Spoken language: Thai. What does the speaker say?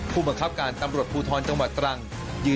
เพราะคนนะคะไม่ใช่สัตว์สิ่งพอ